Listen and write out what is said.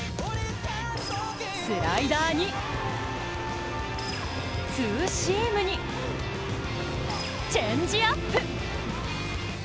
スライダーにツーシームにチェンジアップ。